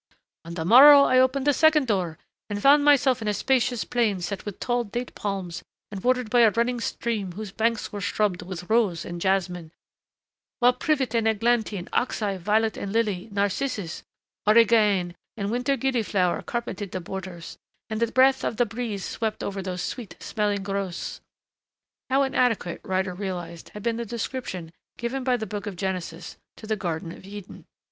"On the morrow I opened the second door and found myself in a spacious plain set with tall date palms and watered by a running stream whose banks were shrubbed with rose and jasmine, while privet and eglantine, oxe eye, violet and lily, narcissus, origane and the winter gilliflower carpeted the borders; and the breath of the breeze swept over those sweet smelling growths...." How inadequate, Ryder realized, had been the description given by the Book of Genesis to the Garden of Eden.